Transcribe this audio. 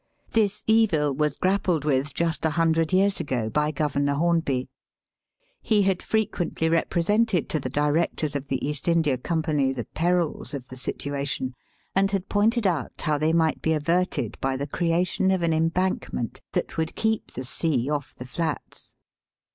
This evil was grappled with, just a hundred years ago, by Governor Hornby. He had frequently represented to the Directors of the East India Company the perils of the situa tion, and had pointed out how they might be averted by the creation of an embankment that would keep the sea off the Flats.